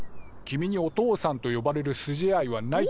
君にお父さんと呼ばれる筋合いはない！